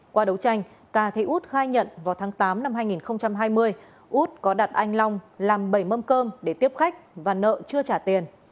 qua đấu tranh cà thị út khai nhận vào tháng tám năm hai nghìn hai mươi út có đặt anh long làm bầy mâm cơm để tiếp khách và nợ chưa trả tiền